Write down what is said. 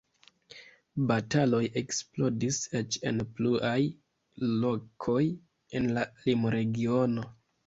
Bataloj eksplodis eĉ en pluaj lokoj en la limregiono.